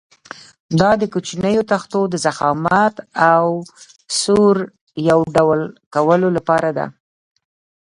دا د کوچنیو تختو د ضخامت او سور یو ډول کولو لپاره ده.